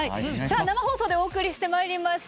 生放送でお送りしてまいりました